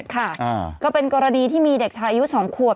ค่ะก็เป็นกรณีที่มีเด็กชายอายุ๒ขวบ